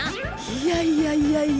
いやいやいやいや